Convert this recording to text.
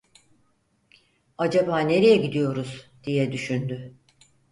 "Acaba nereye gidiyoruz?" diye düşündü.